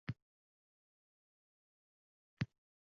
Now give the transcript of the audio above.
писиб ётмагай!